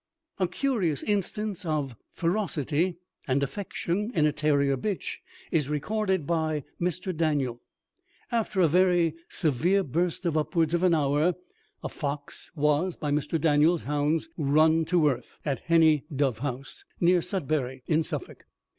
A curious instance of ferocity and affection in a terrier bitch is recorded by Mr. Daniel: After a very severe burst of upwards of an hour, a fox was, by Mr. Daniel's hounds, run to earth, at Heney Dovehouse, near Sudbury, in Suffolk.